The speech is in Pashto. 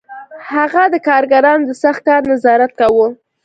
هغه د کارګرانو د سخت کار نظارت کاوه